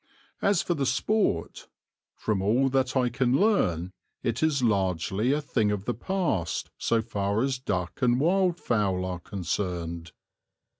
As for the sport, from all that I can learn it is largely a thing of the past so far as duck and wildfowl are concerned.